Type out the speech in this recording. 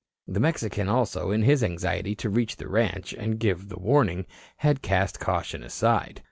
The Mexican also, in his anxiety to reach the ranch and give the warning, had cast caution aside.